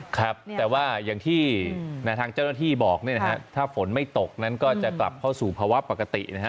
ครับแต่ว่าอย่างที่ทางเจ้าหน้าที่บอกเนี่ยนะฮะถ้าฝนไม่ตกนั้นก็จะกลับเข้าสู่ภาวะปกตินะฮะ